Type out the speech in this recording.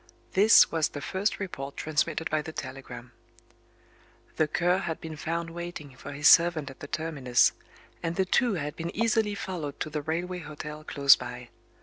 This was the first report transmitted by the telegram: The Cur had been found waiting for his servant at the terminus; and the two had been easily followed to the railway hotel close by.